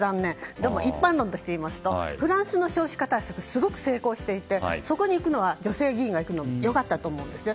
でも一般論として言いますとフランスの少子化対策はすごく成功していてそこに女性議員が行くのは良かったと思うんですね。